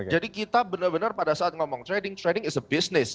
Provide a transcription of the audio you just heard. jadi kita benar benar pada saat ngomong trading trading is a business